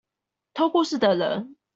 偷故事的人